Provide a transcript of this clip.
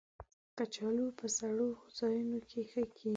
کچالو په سړو ځایونو کې ښه کېږي